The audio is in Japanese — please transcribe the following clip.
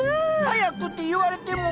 早くって言われても。